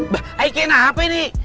bah eh kena hape nih